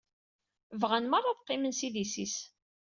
Bɣan merra ad qqimen s idis-is.